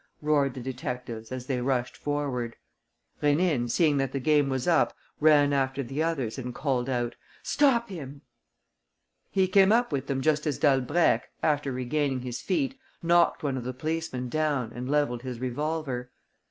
roared the detectives as they rushed forward. Rénine, seeing that the game was up, ran after the others and called out: "Stop him!" He came up with them just as Dalbrèque, after regaining his feet, knocked one of the policemen down and levelled his revolver.